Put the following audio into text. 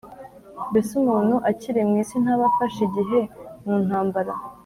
“mbese umuntu akiri mu isi ntaba afashe igihe mu ntambara’